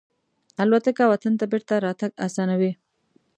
الوتکه وطن ته بېرته راتګ آسانوي.